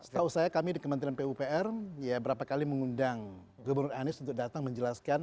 setahu saya kami di kementerian pupr ya berapa kali mengundang gubernur anies untuk datang menjelaskan